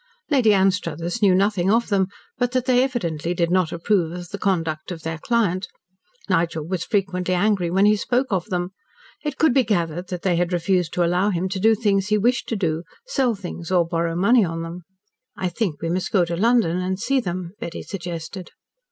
Lady Anstruthers knew nothing of them, but that they evidently did not approve of the conduct of their client. Nigel was frequently angry when he spoke of them. It could be gathered that they had refused to allow him to do things he wished to do sell things, or borrow money on them. "I think we must go to London and see them," Betty suggested.